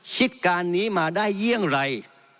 คิดการนี้มาได้อย่างไร